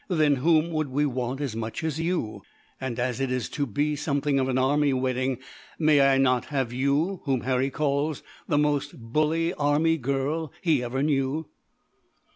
Then whom would we want as much as you! And as it is to be something of an army wedding, may I not have you, whom Harry calls the 'most bully army girl' he ever knew?"